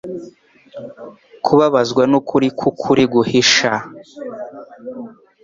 Kubabazwa nukuri kwukuri guhisha,